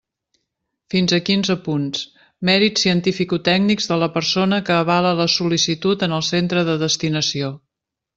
Fins a quinze punts: mèrits cientificotècnics de la persona que avala la sol·licitud en el centre de destinació.